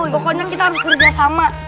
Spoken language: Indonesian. pokoknya kita harus kerjasama